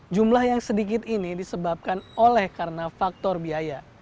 jumlah yang sedikit ini disebabkan oleh karena faktor biaya